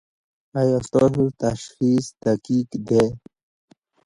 ایا ستاسو تشخیص دقیق دی؟